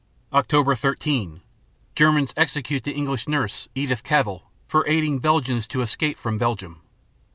Oct. 13 Germans execute the English nurse, Edith Cavell, for aiding Belgians to escape from Belgium.